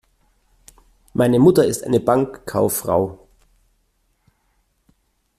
Meine Mutter ist eine Bankkauffrau.